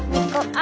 あ！